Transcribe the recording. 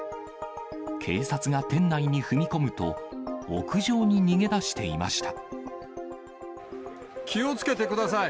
警察が店内に踏み込むと、屋上に気をつけてください。